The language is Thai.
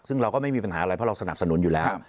ซึ่งเราก็ไม่มีปัญหาอะไรเพราะเราสนับสนุนอยู่แล้ว